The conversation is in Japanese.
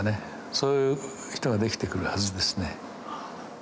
そういう人ができてくるはずですね。